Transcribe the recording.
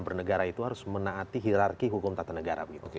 bernegara itu harus menaati hirarki hukum tata negara